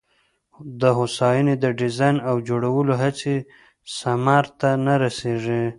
د هوساینه د ډیزاین او جوړولو هڅې ثمر ته نه رسېږي.